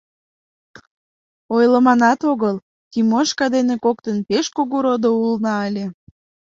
Ойлыманат огыл, Тимошка дене коктын пеш кугу родо улына ыле.